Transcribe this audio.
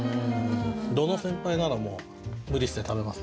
どの先輩ならもう無理して食べます？